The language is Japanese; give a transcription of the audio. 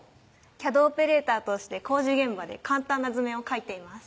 ＣＡＤオペレーターとして工事現場で簡単な図面を描いています